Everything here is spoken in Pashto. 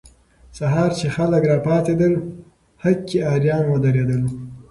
سهار چې خلک راپاڅېدل، هکي اریان ودرېدل.